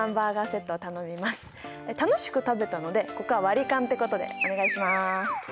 楽しく食べたのでここは割り勘ってことでお願いします。